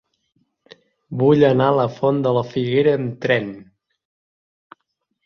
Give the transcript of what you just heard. Vull anar a la Font de la Figuera amb tren.